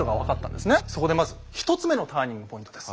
そこでまず１つ目のターニングポイントです。